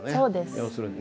要するにね。